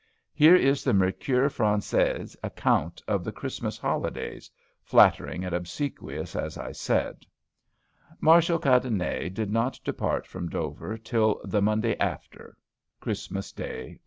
Here is the Mercure Français's account of the Christmas holidays, flattering and obsequious, as I said: "Marshal Cadenet did not depart from Dover till the Monday after" (Christmas day, O.